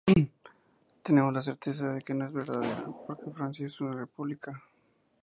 Tenemos la certeza de que no es verdadera, porque Francia es una república.